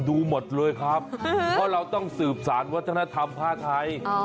ดูหมดเลยครับเพราะเราต้องสืบสารวัฒนธรรมผ้าไทย